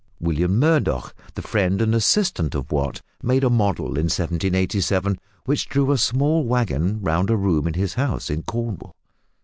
William Murdoch, the friend and assistant of Watt, made a model in 1787 which drew a small waggon round a room in his house in Cornwall.